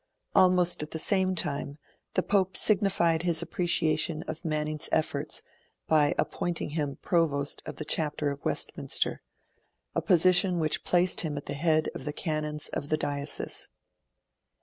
Almost at the same time the Pope signified his appreciation of Manning's efforts by appointing him Provost of the Chapter of Westminster a position which placed him at the head of the Canons of the diocese.